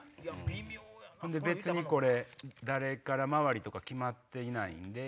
別にこれ誰から回りとか決まってないんで。